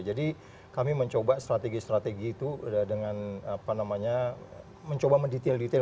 jadi kami mencoba strategi strategi itu dengan apa namanya mencoba mendetail detail